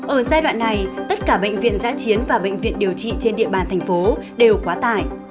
ở giai đoạn này tất cả bệnh viện giã chiến và bệnh viện điều trị trên địa bàn thành phố đều quá tải